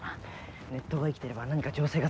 ネットが生きてれば何か情勢がつかめるかも。